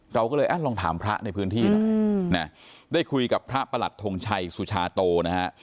เราก็เลยลองถามพระในพื้นที่หน่อยนะได้คุยกับพระประหลัดทงชัยสุชาโตนะฮะ